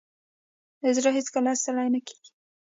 زړه هیڅکله ستړی نه کېږي.